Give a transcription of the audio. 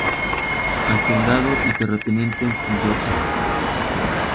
Hacendado y terrateniente en Quillota.